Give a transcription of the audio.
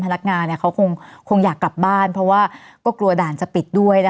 พนักงานเขาคงอยากกลับบ้านเพราะว่าก็กลัวด่านจะปิดด้วยนะคะ